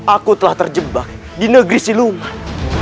aku telah terjebak di negeri si luang